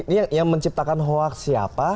ini yang menciptakan hoak siapa